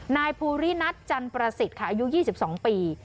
นายภูรินัทจันประสิทธิ์ค่ะอายุ๒๒ปี